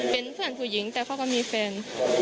เป็นเพื่อนผู้หญิงแต่เขาก็มีแฟน